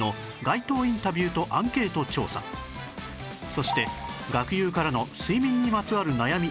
そして学友からの睡眠にまつわる悩み